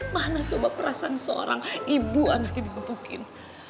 mana coba perasan seorang ibu anak yang digebukin